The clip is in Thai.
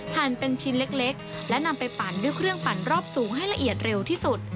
หั่นเป็นชิ้นเล็กและนำไปปั่นด้วยเครื่องปั่นรอบสูงให้ละเอียดเร็วที่สุด